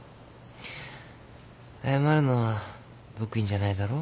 謝るのは僕にじゃないだろう。